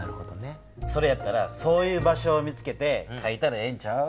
それやったらそういう場所を見つけてかいたらええんちゃう？